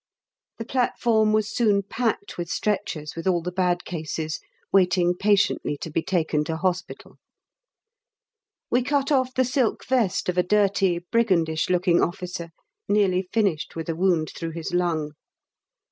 The platform was soon packed with stretchers with all the bad cases waiting patiently to be taken to Hospital. We cut off the silk vest of a dirty, brigandish looking officer, nearly finished with a wound through his lung.